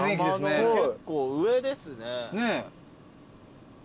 山の結構上ですね。